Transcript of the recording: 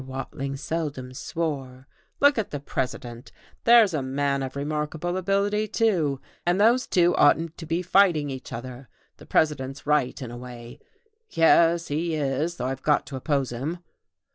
Watling seldom swore. "Look at the President! There's a man of remarkable ability, too. And those two oughtn't to be fighting each other. The President's right, in a way. Yes, he is, though I've got to oppose him."